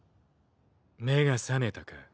目が覚めたか？